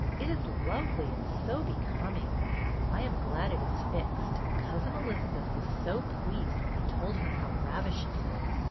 It is lovely and so becoming." " I am glad it is fixed. Cousin Elizabeth was so pleased when I told her how ravish ing it is.